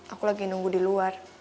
aku lagi nunggu di luar